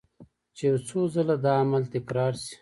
چې يو څو ځله دا عمل تکرار شي